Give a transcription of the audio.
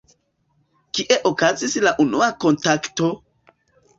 Kie okazis la unua kontakto?